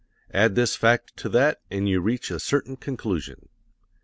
Add this fact to that and you reach a certain conclusion.